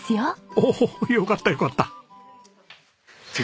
おおよかったよかった。